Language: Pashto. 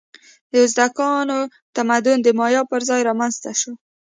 د ازتکانو تمدن د مایا پر ځای رامنځته شو.